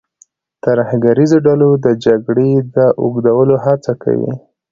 ترهګریزو ډلو د جګړې د اوږدولو هڅه کوي.